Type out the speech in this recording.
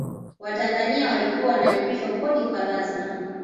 watanzania walikuwa wanalipishwa kodi kwa lazima